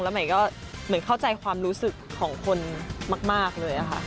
แล้วเข้าใจความรู้สึกของคนมากเลยค่ะ